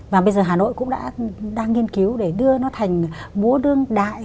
và bây giờ hà nội cũng đã đang nghiên cứu để đưa nó thành múa đương đại